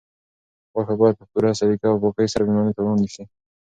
غوښه باید په پوره سلیقه او پاکۍ سره مېلمنو ته وړاندې شي.